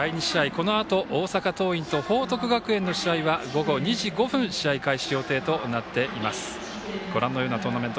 このあと大阪桐蔭と報徳学園の試合は午後２時５分試合開始予定となっています。